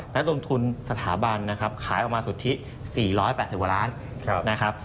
และลงทุนสถาบันนะครับขายออกมาสุทธิ๔๘๐กว่าล้านนะครับ